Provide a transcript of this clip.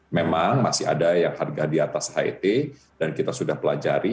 memang masih ada yang harga di atas het dan kita sudah pelajari